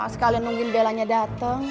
sekalian nungguin bellanya dateng